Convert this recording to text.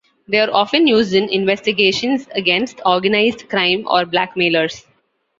They are often used in investigations against organized crime or blackmailers.